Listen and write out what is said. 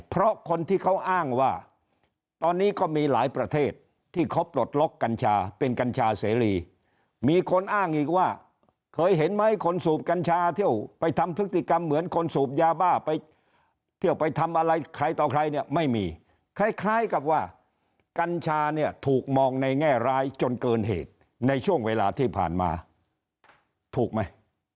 เพราะคนที่เขาอ้างว่าตอนนี้ก็มีหลายประเทศที่เขาปลดล็อกกัญชาเป็นกัญชาเสรีมีคนอ้างอีกว่าเคยเห็นไหมคนสูบกัญชาเที่ยวไปทำพฤติกรรมเหมือนคนสูบยาบ้าไปเที่ยวไปทำอะไรใครต่อใครเนี่ยไม่มีคล้ายกับว่ากัญชาเนี่ยถูกมองในแง่ร้ายจนเกินเหตุในช่วงเวลาที่ผ่านมาถูกไหม